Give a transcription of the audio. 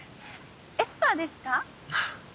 エスパーですか？